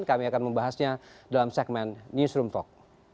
kami akan membahasnya dalam segmen newsroom talk